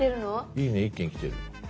「いいね」１件来てる。